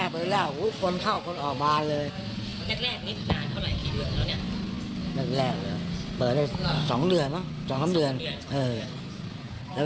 เป็นสกัลลุคเกอร์สกัลลุคเกอร์คนเล่นแล้ว